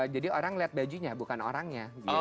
jadi orang lihat bajunya bukan orangnya